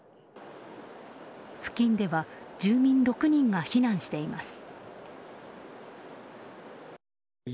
付近では、住民６人が避難しています。